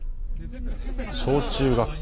小中学校。